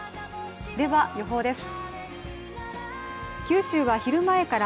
では、予報です。